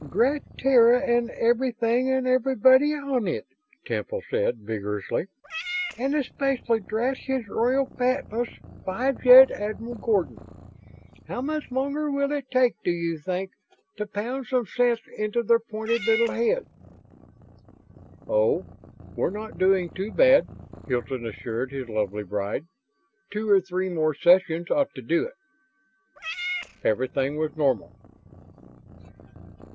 "Drat Terra and everything and everybody on it," Temple said, vigorously. "And especially drat His Royal Fatness Five Jet Admiral Gordon. How much longer will it take, do you think, to pound some sense into their pointed little heads?" "Oh, we're not doing too bad," Hilton assured his lovely bride. "Two or three more sessions ought to do it." Everything was normal....